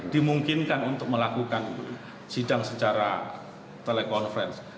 dimungkinkan untuk melakukan sidang secara telekonferensi